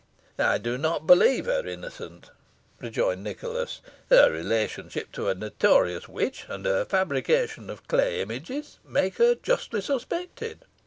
"I do not believe her innocent," rejoined Nicholas; "her relationship to a notorious witch, and her fabrication of clay images, make her justly suspected."